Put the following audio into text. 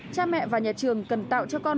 cha mẹ và nhà trường cần tạo cho con